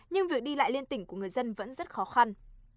nhưng việc đi lại liên tỉnh của người dân vẫn rất khó khăn